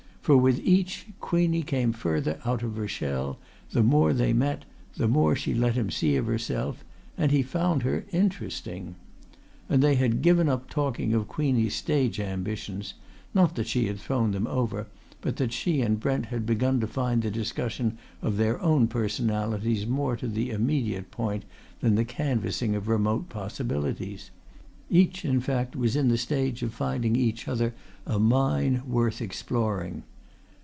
For with each Queenie came further out of her shell, the more they met, the more she let him see of herself and he found her interesting. And they had given up talking of Queenie's stage ambitions not that she had thrown them over, but that she and Brent had begun to find the discussion of their own personalities more to the immediate point than the canvassing of remote possibilities: each, in fact, was in the stage of finding each other a mine worth exploring.